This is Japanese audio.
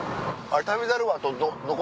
『旅猿』はあとどこ？